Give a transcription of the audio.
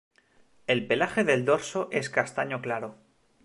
El pelaje del dorso es castaño claro.